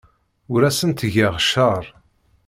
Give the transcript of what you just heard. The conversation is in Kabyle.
Ur asen-ttgeɣ cceṛ.